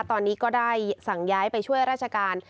ตอนนี้ก็ได้สั่งย้ายไปช่วยราชการ